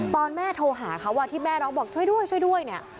ตอนแม่โทรหาเขาว่าที่แม่น้องบอกช่วยด้วยเนี่ย